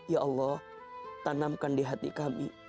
ya allah tanamkan di hati kami